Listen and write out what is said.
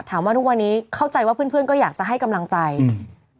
ทุกวันนี้เข้าใจว่าเพื่อนเพื่อนก็อยากจะให้กำลังใจอืม